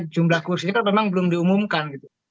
jumlah kursinya kan memang belum diumumkan gitu